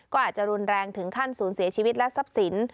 ก็อาจจะรุนแรงถึงขั้นศูนย์เสียชีวิตและทรัพย์สิน